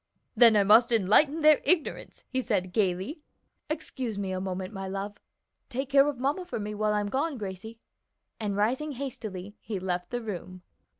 "Then I must enlighten their ignorance," he said gayly. "Excuse me a moment, my love. Take care of mamma for me while I'm gone, Gracie," and rising hastily he left the room.